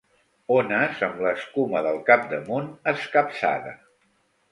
Ones amb l'escuma del capdamunt escapçada.